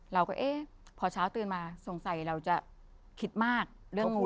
เราก็เอ๊ะพอเช้าตื่นมาสงสัยเราจะคิดมากเรื่องคุณ